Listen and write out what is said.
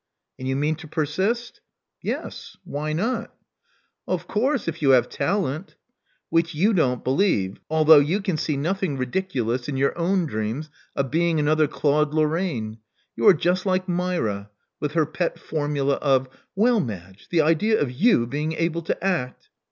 " And you mean to persist?" •'Yes. Why not?" ' ''^j0 ^ *'Of course, if you have talent " "Which you don't believe, although you can see nothing ridiculous in your own dreams of being another Claude Lorraine. You are just like Myra, with her pet formula of, 'Well, Madge, the idea of you being able to act!